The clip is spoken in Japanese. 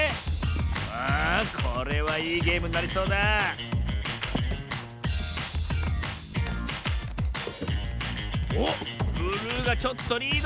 さあこれはいいゲームになりそうだおっブルーがちょっとリード！